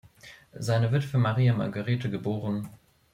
Seine Witwe Maria Margarete geb.